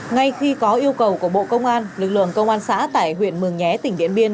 ngay khi có yêu cầu của bộ công an lực lượng công an xã tại huyện mường nhé tỉnh điện biên